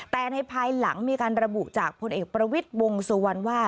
แต่ในภายหลังมีการระบุจากพลเอกประวิทย์วงสุวรรณว่า